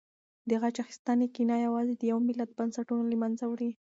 د غچ اخیستنې کینه یوازې د یو ملت بنسټونه له منځه وړي.